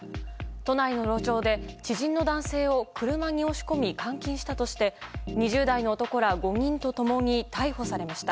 都内の路上で、知人の男性を車に押し込み監禁したとして２０代の男ら５人と共に逮捕されました。